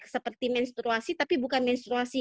seperti menstruasi tapi bukan menstruasi